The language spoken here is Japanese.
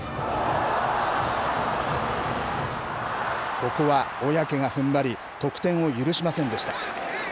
ここはおやけがふんばり、得点を許しませんでした。